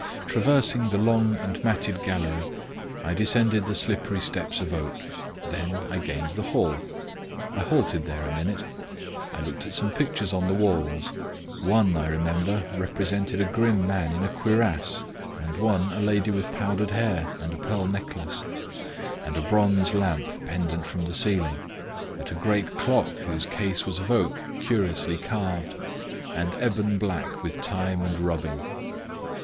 Traversing the long and matted gallery, I descended the slippery steps of oak; then I gained the hall: I halted there a minute; I looked at some pictures on the walls (one, I remember, represented a grim man in a cuirass, and one a lady with powdered hair and a pearl necklace), at a bronze lamp pendent from the ceiling, at a great clock whose case was of oak curiously carved, and ebon black with time and rubbing.